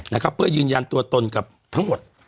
นะครับเพื่อยืนยันตัวตนกับทั้งหมด